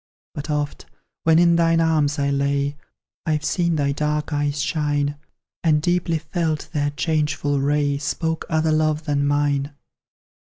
But oft, when in thine arms I lay, I've seen thy dark eyes shine, And deeply felt their changeful ray Spoke other love than mine.